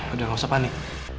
udah gak usah panik